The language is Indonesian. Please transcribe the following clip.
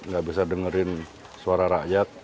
gak bisa dengerin suara rakyat